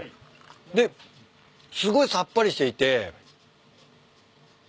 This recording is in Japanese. ですごいさっぱりしていて。